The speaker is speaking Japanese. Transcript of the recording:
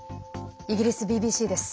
イギリスＢＢＣです。